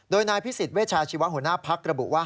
โดยนายพิสิทธิเวชาชีวะหัวหน้าพักระบุว่า